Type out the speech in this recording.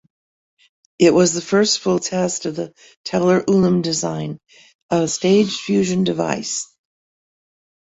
It was the first full test of the Teller-Ulam design, a staged fusion device.